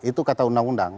itu kata undang undang